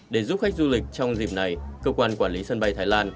để giúp khách du lịch trong dịp này cơ quan quản lý sân bay thái lan